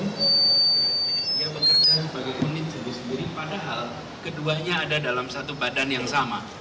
dia bekerja sebagai unit sendiri padahal keduanya ada dalam satu badan yang sama